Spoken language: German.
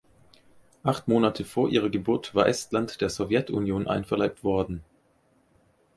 Acht Monate vor ihrer Geburt war Estland der Sowjetunion einverleibt worden.